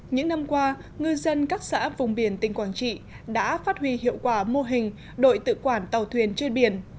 những năm qua ngư dân các xã vùng biển tỉnh quảng trị đã phát huy hiệu quả mô hình đội tự quản tàu thuyền chơi biển